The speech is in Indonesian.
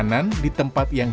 yaitu tempe goreng